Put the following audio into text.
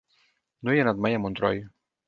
No he anat mai a Montroi.